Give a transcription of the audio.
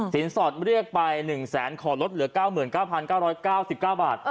สอดเรียกไป๑แสนขอลดเหลือ๙๙๙๙๙บาท